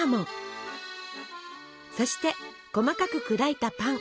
そして細かく砕いたパン。